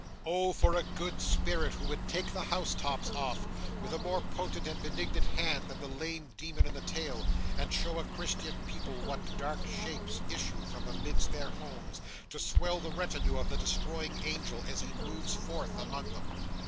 Oh for a good spirit who would take the house tops off, with a more potent and benignant hand than the lame demon in the tale, and show a Christian people what dark shapes issue from amidst their homes, to swell the retinue of the Destroying Angel as he moves forth among them!